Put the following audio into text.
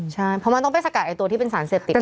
ใช่เพราะมันต้องไปสกัดตัวที่เป็นสารเสพติด